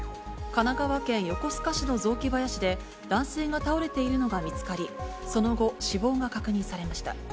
神奈川県横須賀市の雑木林で、男性が倒れているのが見つかり、その後、死亡が確認されました。